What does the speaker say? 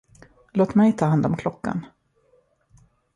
Låt mig ta hand om klockan!